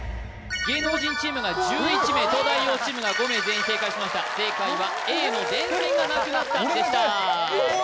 芸能人チームが１１名東大王チームが５名全員正解しました正解はＡの電線がなくなったでした